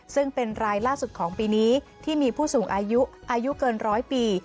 ซึ่งเป็นรายล่าสุดของปีนี้ที่มีผู้สูงอายุอายุเกินร้อยปี